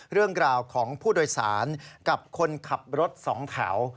เรื่องราวของผู้โดยสารกับคนขับรถสองแถว